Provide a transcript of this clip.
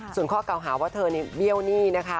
ส่วนข้อเก่าหาว่าเธอเบี้ยวหนี้นะคะ